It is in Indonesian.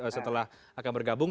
setelah akan bergabung